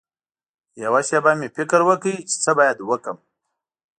یوه شېبه مې فکر وکړ چې څه باید وکړم.